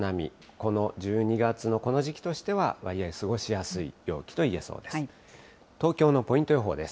この１２月のこの時期としては、割合過ごしやすい陽気といえそうです。